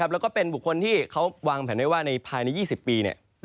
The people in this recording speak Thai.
แล้วก็เป็นบุคคลที่เขาวางแผนได้ว่าภายใน๒๐ปี